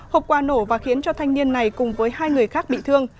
hộp quà nổ và khiến cho thanh niên này cùng với hai người khác bị thương